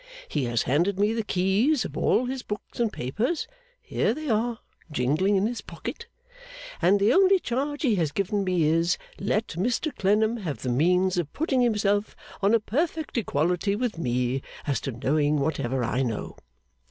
He has handed me the keys of all his books and papers here they are jingling in this pocket and the only charge he has given me is "Let Mr Clennam have the means of putting himself on a perfect equality with me as to knowing whatever I know.